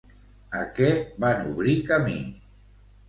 A què van obrir camí?